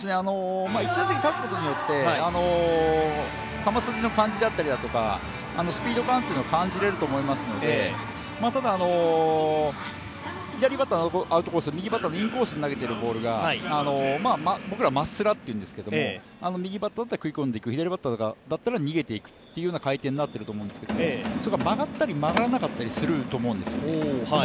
１打席立つことによって、球筋の感じであったりスピード感というのは感じれると思うのでただ、左バッターのアウトコース、右バッターのインコースに投げているボールが僕らまっスラっていうんですけど右バッターだったら食い込んでく左バッターだったら逃げていく回転になっていると思うんですけど、それが曲がったり曲がらなかったりするんです。